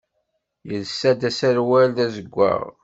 Yelsa-d aserwal d azeggaɣ.